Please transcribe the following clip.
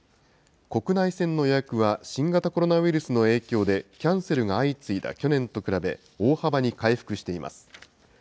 国内線の予約は、新型コロナウイルスの影響でキャンセルが相次いだ去年と比べ、大幅に回復しています。